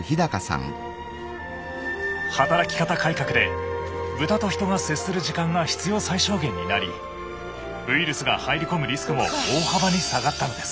働き方改革で豚と人が接する時間が必要最小限になりウイルスが入り込むリスクも大幅に下がったのです。